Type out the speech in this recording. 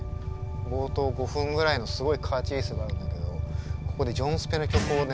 冒頭５分ぐらいのすごいカーチェイスがあるんだけどここでジョンスペの曲をね主人公が聴くんですよ